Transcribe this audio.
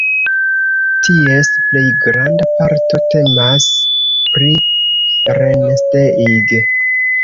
Ties plej granda parto temas pri Rennsteig.